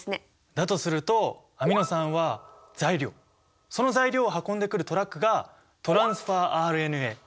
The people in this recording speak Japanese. だとするとアミノ酸は材料その材料を運んでくるトラックがトランスファーＲＮＡ！